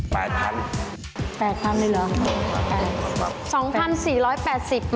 ๒๔๘๐บาทไหม